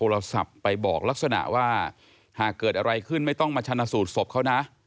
หากเกิดอะไรขึ้นไม่ต้องมาชะนสูดศพเขานะ